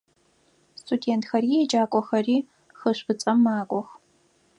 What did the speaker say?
Студентхэри еджакӏохэри хы Шӏуцӏэм макӏох.